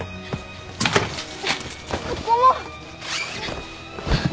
ここも！